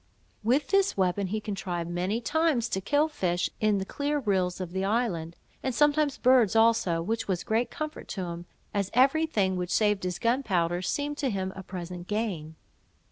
With this weapon he contrived, many times, to kill fish in the clear rills of the island, and sometimes birds also, which was a great comfort to him, as every thing which saved his gunpowder seemed to him a present gain.